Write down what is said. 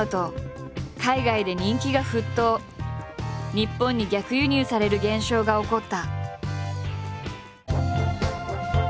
日本に逆輸入される現象が起こった。